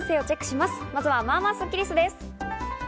まずは、まあまあスッキりすです。